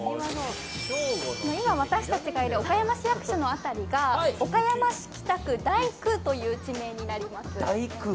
今、私たちがいる岡山市役所の辺りが岡山市北区第９という地名になります。